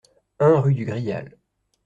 un rue du Grial